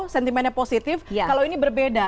sentimennya positif kalau ini berbeda